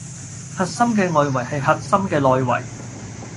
核心嘅外圍係核心嘅內圍